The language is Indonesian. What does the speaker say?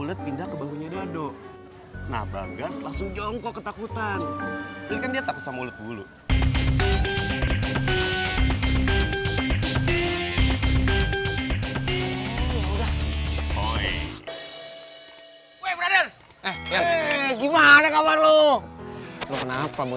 atau apa gitu